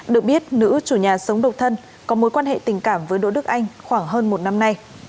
được biết nữ chủ nhà sống độc thân có mối quan hệ tình cảm với đỗ đức anh khoảng hơn một năm nay